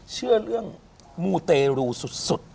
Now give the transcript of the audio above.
เชื่อเรื่องมูเตรูสุด